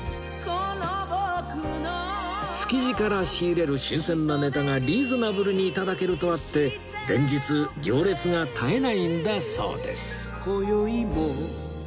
築地から仕入れる新鮮なネタがリーズナブルに頂けるとあって連日行列が絶えないんだそうです